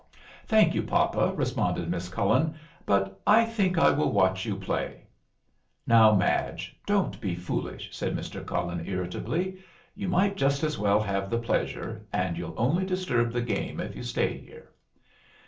"Thank you, papa," responded Miss Cullen, "but I think I will watch you play." "Now, Madge, don't be foolish," said Mr. Cullen, irritably. "You might just as well have the pleasure, and you'll only disturb the game if you stay here."